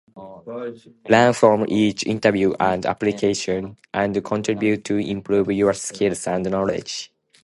Learn from each interview and application, and continue to improve your skills and knowledge.